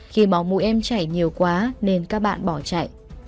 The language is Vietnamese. khi máu mũi em chảy nhiều quá nên các bạn bỏ chạy